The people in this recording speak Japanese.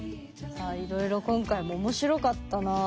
さあいろいろ今回も面白かったなぁ。